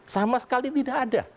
sama sekali tidak ada